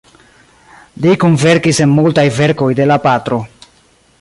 Li kunverkis en multaj verkoj de la patro.